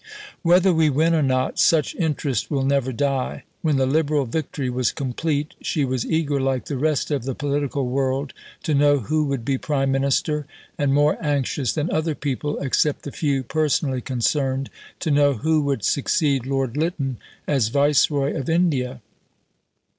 Whether we win or not, such interest will never die." When the Liberal victory was complete, she was eager, like the rest of the political world, to know who would be Prime Minister, and more anxious than other people (except the few personally concerned) to know who would succeed Lord Lytton as Viceroy of India.